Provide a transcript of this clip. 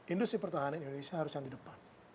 industri pertahanan indonesia harus yang di depan